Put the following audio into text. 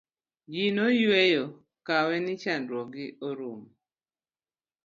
ji noyueyo kawe ni chandruok gi orumo